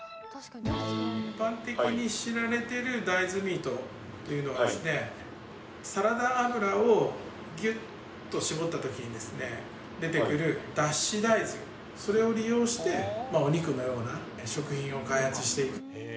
一般的に知られている大豆ミートっていうのはですね、サラダ油をぎゅっと搾ったときに出てくる脱脂大豆、それを利用して、お肉のような食品を開発していく。